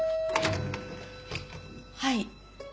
はい。